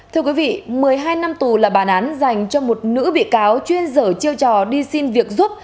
thưa quý vị một mươi hai năm tù là bản án dành cho một nữ bị cáo chuyên dở chiêu trò đi xin việc giúp